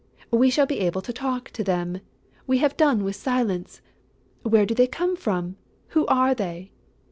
We shall be able to talk to them! We have done with silence!... Where do they come from?... Who are they?"